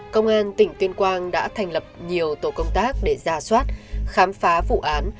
công an tỉnh tuyên quang đã thành lập nhiều tổ công tác để ra soát khám phá vụ án